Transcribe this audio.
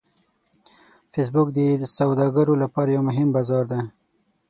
فېسبوک د سوداګرو لپاره یو مهم بازار دی